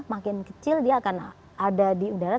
makin kecil dia akan ada di udara